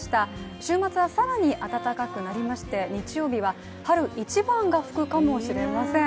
週末は更に暖かくなりまして、日曜日は春一番が吹くかもしれません。